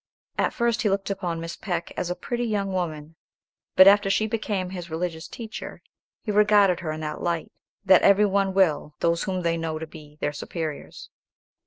At first he looked upon Miss Peck as a pretty young woman, but after she became his religious teacher, he regarded her in that light, that every one will those whom they know to be their superiors.